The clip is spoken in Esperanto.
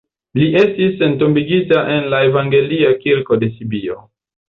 Li estis entombigita en la evangelia kirko de Sibio.